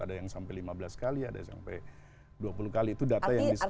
ada yang sampai lima belas kali ada yang sampai dua puluh kali itu data yang disampaikan